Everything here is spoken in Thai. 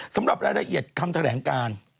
สำหรับรายละเอียดคำแถลงการ